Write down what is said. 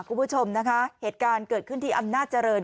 คุณผู้ชมนะคะเหตุการณ์เกิดขึ้นที่อำนาจเจริญ